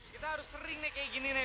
kita harus sering nih kayak gini nih